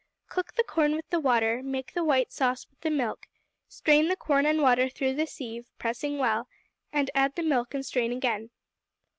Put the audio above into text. Cook the corn with the water; make the white sauce with the milk; strain the corn and water through the sieve, pressing well, and add the milk and strain again.